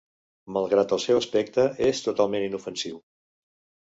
Malgrat el seu aspecte, és totalment inofensiu.